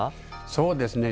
そうですね